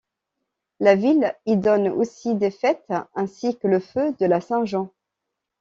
La ville y donne aussi des fêtes ainsi que le feu de la Saint-Jean.